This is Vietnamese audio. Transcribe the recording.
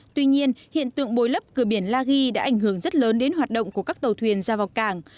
tuy nhiên hiện tượng bồi lấp cửa biển la ghi đã ảnh hưởng rất lớn đến hoạt động của các tàu thuyền ra vào cảng